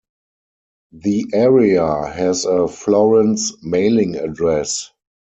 The area has a Florence mailing address.